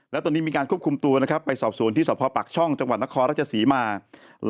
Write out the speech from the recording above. และตอนนี้มีการควบคุมตัวสอบสวนที่สมภปรักษณ์ช่องจังหวัดนครรสภีร์นางคล์